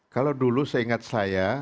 kalau dulu seingat saya